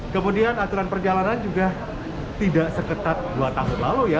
kemudian aturan perjalanan juga tidak seketat dua tahun lalu ya